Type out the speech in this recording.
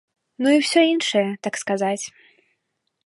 Ну і ўсё іншае, так сказаць.